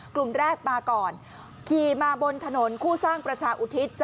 กลุ่มแรกมาก่อนขี่มาบนถนนคู่สร้างประชาอุทิศ